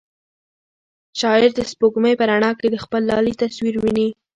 شاعر د سپوږمۍ په رڼا کې د خپل لالي تصویر ویني.